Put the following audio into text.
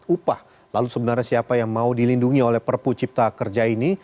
upah lalu sebenarnya siapa yang mau dilindungi oleh perpu cipta kerja ini